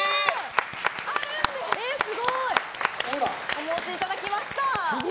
お持ちいただきました。